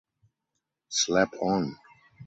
Slap on!